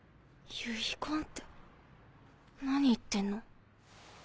遺言って何言ってんの？